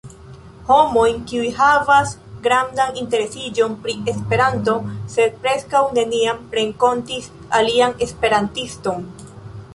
Homojn, kiuj havas grandan interesiĝon pri Esperanto, sed preskaŭ neniam renkontis alian esperantiston.